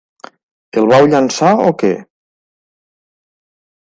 El vau llençar o què?